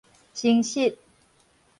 生殖